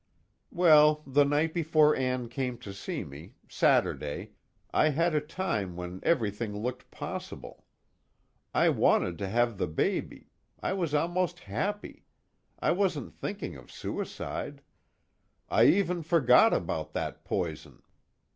Well, the night before Ann came to see me, Saturday, I had a time when everything looked possible. I wanted to have the baby, I was almost happy, I wasn't thinking of suicide I even forgot about that poison.